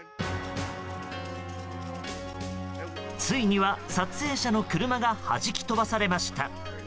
ついには、撮影者の車が弾き飛ばされました。